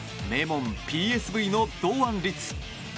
名門ＰＳＶの堂安律。